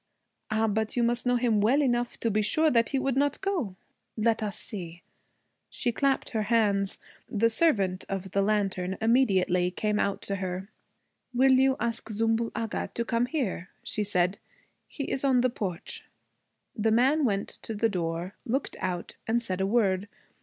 'Ah, but you must know him well enough to be sure he would not go. Let us see.' She clapped her hands. The servant of the lantern immediately came out to her. 'Will you ask Zümbül Agha to come here?' she said. 'He is on the porch.' The man went to the door, looked out, and said a word.